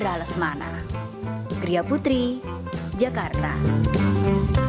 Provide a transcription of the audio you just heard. jadi kayak emang gak ada lirik dan gak ada kata kata yang berkarya